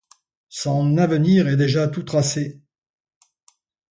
Son avenir est déjà tout tracé.